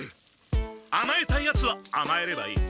あまえたいヤツはあまえればいい。